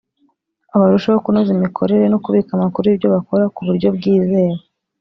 Barusheho kunoza imikorere no kubika amakuru y ibyo bakora ku buryo bwizewe